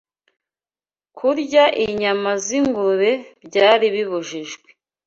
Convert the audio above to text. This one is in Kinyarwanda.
Kurya inyama z’ingurube byari bibujijwe